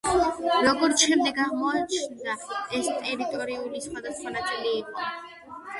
როგორც შემდეგ აღმოჩნდა ეს ტერორისტული თავდასხმის ნაწილი იყო.